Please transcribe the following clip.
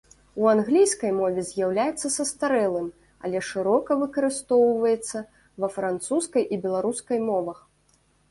У англійскай мове з'яўляецца састарэлым, але шырока выкарыстоўваецца ва французскай і беларускай мовах.